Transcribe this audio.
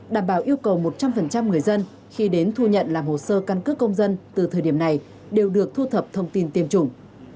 đảm bảo yêu cầu một trăm linh người dân khi đến thu nhận làm hồ sơ căn cước công dân từ thời điểm này đều được thu thập thông tin tiêm chủng